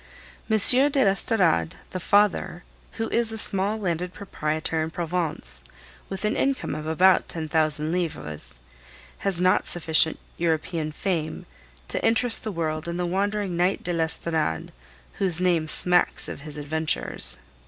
M. de l'Estorade, the father, who is a small landed proprietor in Provence, with an income of about ten thousand livres, has not sufficient European fame to interest the world in the wandering Knight de l'Estorade, whose name smacks of his adventures.